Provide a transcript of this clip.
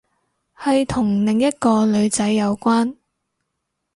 係同另一個女仔有關